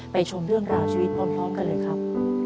ชมเรื่องราวชีวิตพร้อมกันเลยครับ